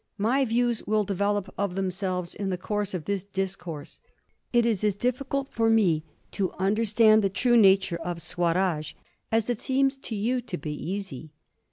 My views will develop of themselves in the course of this discourse. It is as difficult for me to understand the true nature of Swaraj as it seems to you to be easy.